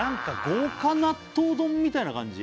豪華納豆丼みたいな感じ？